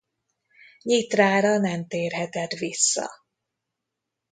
Nyitrára nem térhetett vissza.